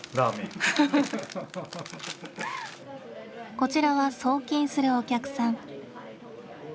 こちらは送金するお客さん。